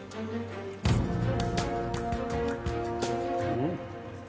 うん！